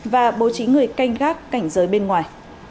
và bố trí người canh gác cảnh giới bên ngoài